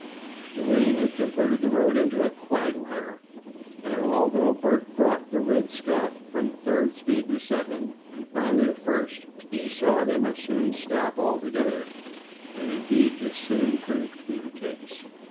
The rain had converted the road into a quagmire, and although Bert brought the "Red Scout" from third speed to second, and finally to first, he saw that they must soon stop altogether, and indeed this soon proved to be the case.